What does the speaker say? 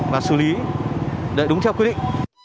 và xử lý đợi đúng theo quyết định